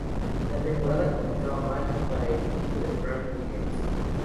La temporada comenzaba mal para el equipo de Frank Williams.